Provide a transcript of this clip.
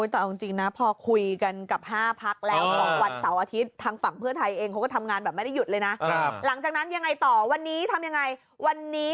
ต่อจริงพอคุยกันกับ๕ภักดิ์แล้ว